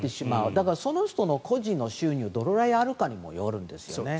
だからその人個人の収入がどのぐらいあるかにもよるんです。